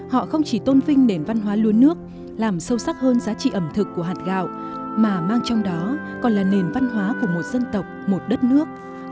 họ không chỉ tôn vinh nền văn hóa luôn nước làm sâu sắc hơn giá trị ẩm thực của hạt gạo mà mang trong đó còn là nền văn hóa của một dân tộc một đất nước